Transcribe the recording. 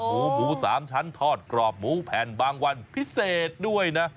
หมูหมู๓ชั้นทอดกรอบหมูแผ่นบางวันพิเศษด้วยนะ